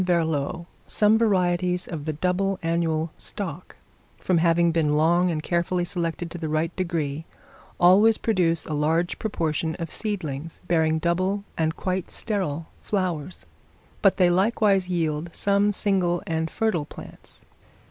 Verlot, some varieties of the double annual stock, from having been long and carefully selected to the right degree, always produce a large proportion of seedlings bearing double and quite sterile flowers, but they likewise yield some single and fertile plants.